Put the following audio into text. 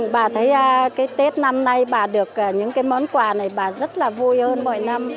bà thấy tết năm nay bà được những món quà này bà rất là vui hơn mỗi năm